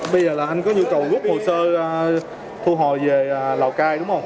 bây giờ là anh có nhu cầu rút hồ sơ thu hồi về lào cai đúng không